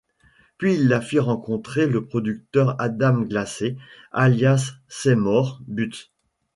Puis il la fit rencontrer le producteur Adam Glasser, alias Seymore Butts.